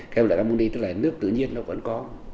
cái lượng ammoni tức là nước tự nhiên nó vẫn có